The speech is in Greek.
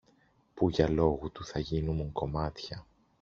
που για λόγου του θα γίνουμουν κομμάτια!